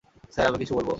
Sir আমি কিছু বলবো?